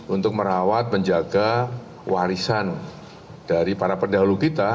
untuk merawat menjaga warisan dari para pendahulu kita